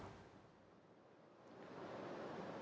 kita sudah sebar